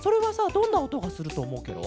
どんなおとがするとおもうケロ？